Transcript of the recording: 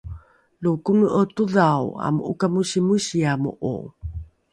lo kone’o todhao amo’okamosimosiamo’o